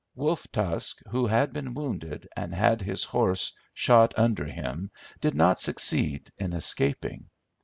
Wolf Tusk, who had been wounded, and had his horse shot under him, did not succeed in escaping.